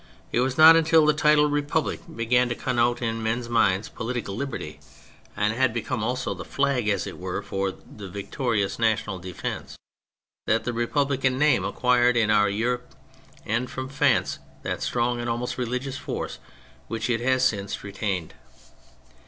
It was not until the title '^ Republic " began to connote in men's 122 THE FRENCH REVOLUTION minds political liberty, and had become also the flag, as it were, for the victorious national defence, that the Republican name acquired in our Europe, and from France, that strong and almost religious force which it has since retained.